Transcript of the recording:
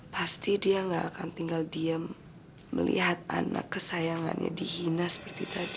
pasti dia nggak akan tinggal diam melihat anak kesayangannya dihina seperti tadi